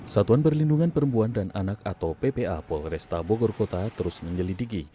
satuan perlindungan perempuan dan anak atau ppa polresta bogor kota terus menyelidiki